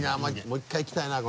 もう１回行きたいな